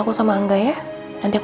di pemangissent ya